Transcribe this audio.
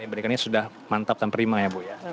berikan ini sudah mantap dan prima ya bu ya